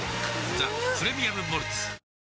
「ザ・プレミアム・モルツ」